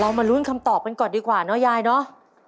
มาลุ้นคำตอบกันก่อนดีกว่าเนอะยายเนอะ